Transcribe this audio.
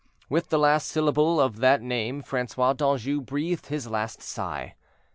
With the last syllable of that name Francois d'Anjou breathed his last sigh.